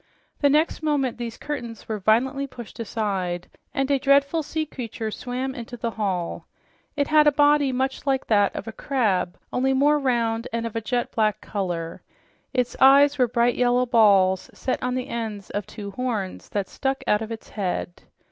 The next moment these curtains were violently pushed aside, and a dreadful sea creature swam into the hall. It had a body much like that of a crab, only more round and of a jet black color. Its eyes were bright yellow balls set on the ends of two horns that stuck out of its head.